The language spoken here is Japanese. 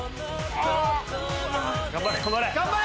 頑張れ頑張れ。